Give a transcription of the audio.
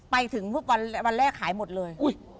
ไปถึงปุ๊บวันแรกขายหมดเลย